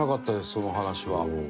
その話は。